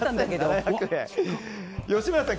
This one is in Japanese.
吉村さん